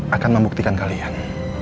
akan membuktikan kalian